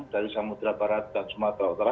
dari samudera barat dan sumatera utara